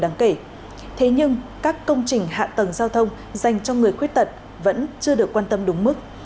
đáng kể thế nhưng các công trình hạ tầng giao thông dành cho người khuyết tật vẫn chưa được quan tâm đúng mức